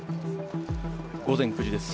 午前９時です。